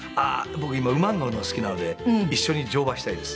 僕今馬に乗るの好きなので一緒に乗馬したいです。